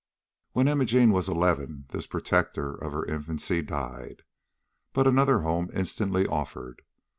When Imogene was eleven, this protector of her infancy died. But another home instantly offered.